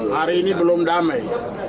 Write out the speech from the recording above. hari ini belum damai